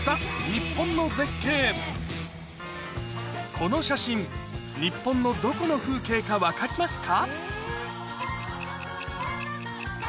この写真日本のどこの風景か分かりますか？